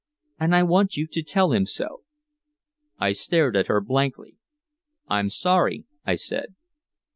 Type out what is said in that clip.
"And I want you to tell him so." I stared at her blankly. "I'm sorry," I said.